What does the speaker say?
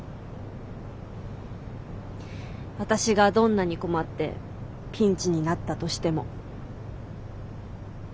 私がどんなに困ってピンチになったとしても。